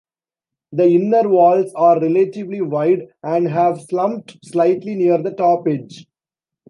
The inner walls are relatively wide, and have slumped slightly near the top edge.